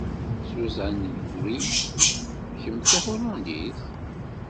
Susan Greene... kemm d Tahulandit?